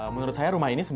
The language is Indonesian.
menurut saya rumah ini